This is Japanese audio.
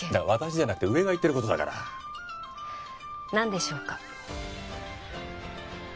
私じゃなくて上が言ってることだから何でしょうか？